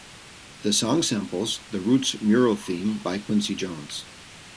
The song samples "The Roots Mural Theme" by Quincy Jones.